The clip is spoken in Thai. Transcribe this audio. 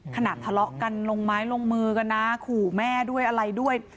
ทะเลาะกันลงไม้ลงมือกันนะขู่แม่ด้วยอะไรด้วย